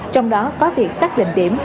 trong đó có việc xác định điểm